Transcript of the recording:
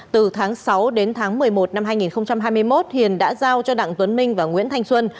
từ tháng sáu đến tháng một mươi một năm hai nghìn hai mươi một hiền đã giao cho đặng tuấn minh và nguyễn thanh xuân